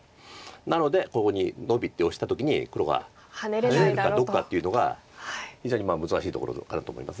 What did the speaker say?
なのでここにノビてオシた時に黒がハネれるかどうかっていうのが非常に難しいところかなと思います。